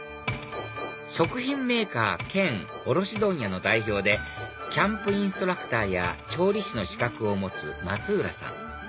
食品メーカー兼卸問屋の代表でキャンプインストラクターや調理師の資格を持つ松浦さん